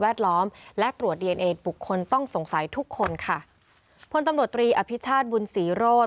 ล้อมและตรวจดีเอนเอบุคคลต้องสงสัยทุกคนค่ะพลตำรวจตรีอภิชาติบุญศรีโรธ